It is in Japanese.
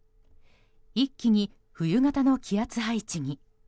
一気に冬型の気圧配置に。